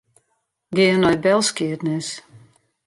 Gean nei belskiednis.